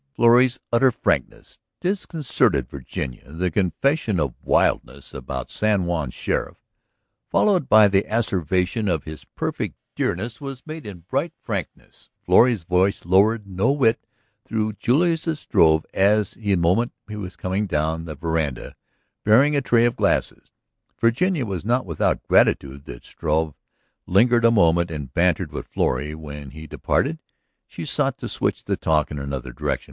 Florrie's utter frankness disconcerted Virginia. The confession of "wildness" about San Juan's sheriff, followed by the asseveration of his perfect dearness was made in bright frankness, Florrie's voice lowered no whit though Julius Struve at the moment was coming down the veranda bearing a tray and glasses. Virginia was not without gratitude that Struve lingered a moment and bantered with Florrie; when he departed she sought to switch the talk in another direction.